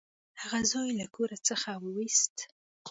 هغه زوی له کور څخه وویست.